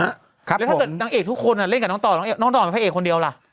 แล้วถ้าเกิดนางเอกทุกคนเล่นกับน้องต่อน้องต่อเป็นพระเอกคนเดียวล่ะ